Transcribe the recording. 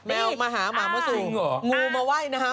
แมวมาหาหมามาสู่งูมาไหว้น้ำ